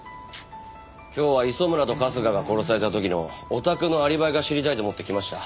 今日は磯村と春日が殺された時のお宅のアリバイが知りたいと思って来ました。